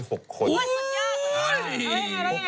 โอ้ยสุดยากเลยอะไรยังไงต่อ